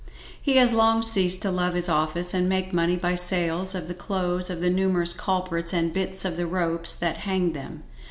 He has long ceased to love his office and make money by sales of the clothes of the numerous culprits, and bits of the ropes that hanged them.